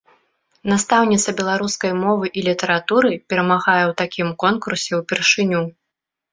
Настаўніца беларускай мовы і літаратуры перамагае ў такім конкурсе ўпершыню.